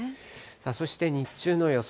そして日中の予想